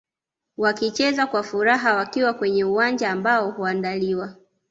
Wakicheza kwa furaha wakiwa kwenye uwanja ambao huandaliwa